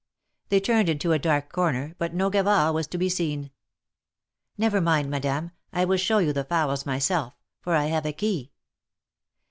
They turned into a dark corner, but no Gavard was to be seen. Never mind, Madame. I will show you the fowls myself, for I have a key."